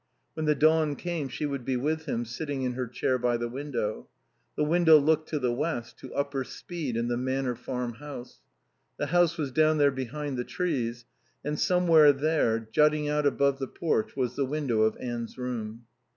When the dawn came she would be with him, sitting in her chair by the window. The window looked to the west, to Upper Speed and the Manor Farm house. The house was down there behind the trees, and somewhere there, jutting out above the porch, was the window of Anne's room.